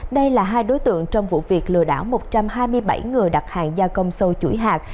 đây là hai đối tượng trong vụ việc lừa đảo một trăm hai mươi bảy người đặt hàng gia công sâu chuỗi hạt